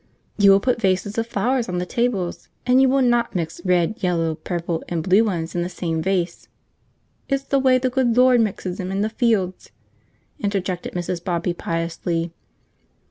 You will put vases of flowers on the tables, and you will not mix red, yellow, purple, and blue ones in the same vase " "It's the way the good Lord mixes 'em in the fields," interjected Mrs. Bobby piously.